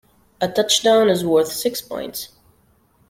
A touchdown is worth six points.